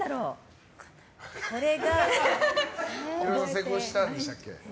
成功したんでしたっけ。